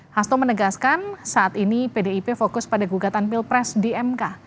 hasto menegaskan saat ini pdip fokus pada gugatan pilpres di mk